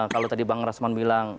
kalau tadi bang rasman bilang